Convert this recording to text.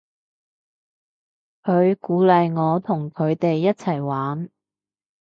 佢鼓勵我同佢哋一齊玩